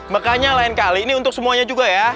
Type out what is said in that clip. makanya lain kali ini untuk semuanya juga ya